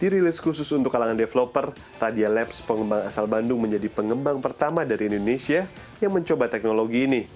dirilis khusus untuk kalangan developer tadia labs pengembang asal bandung menjadi pengembang pertama dari indonesia yang mencoba teknologi ini